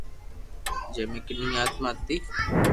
جي مي ڪني آتما ھتي